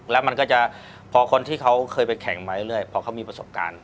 แล้วมันก็จะพอคนที่เขาเคยไปแข่งมาเรื่อยพอเขามีประสบการณ์